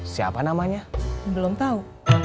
siapa namanya belom tau